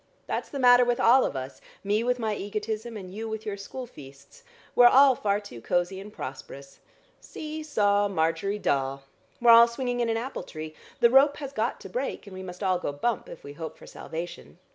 That's the matter with all of us, me with my egotism, and you with your school feasts. We're all far too cosy and prosperous. 'See saw, Margery Daw!' We're all swinging in an apple tree. The rope has got to break, and we must all go bump, if we hope for salvation.